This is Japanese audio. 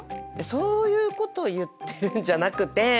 そういうことを言ってるんじゃなくて。